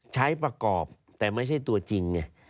ใช้ประกอบแต่ไม่ใช่ตัวจริงไง